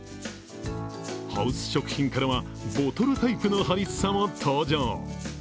ハウス食品からはボトルタイプのハリッサも登場。